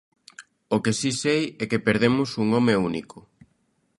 O que si sei é que perdemos un home único.